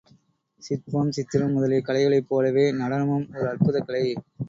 சிற்பம், சித்திரம் முதலிய கலைகளைப் போலவே நடனமும் ஒரு அற்புதக் கலை.